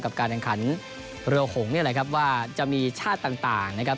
การแข่งขันเรือหงนี่แหละครับว่าจะมีชาติต่างนะครับ